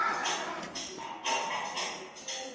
د بې حجابه ښځي مثال د قيامت په ورځ څنګه دی؟